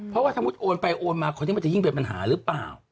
เพราะว่าสมมุติโอนไปโอนมาคนนี้มันจะยิ่งเป็นปัญหาหรือเปล่า